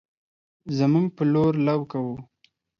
زمونږ په لور لو کوو